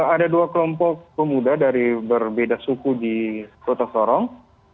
ada dua kelompok pemuda dari berbeda suku di kota sorong